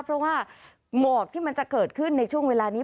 เพราะว่าหมอกที่มันจะเกิดขึ้นในช่วงเวลานี้